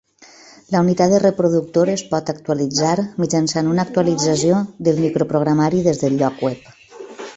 La unitat de reproductor es pot actualitzar mitjançant una actualització del microprogramari des del lloc web.